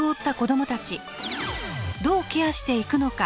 どうケアしていくのか？